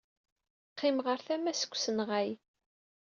Qqimeɣ ɣer tama-s deg usenɣay.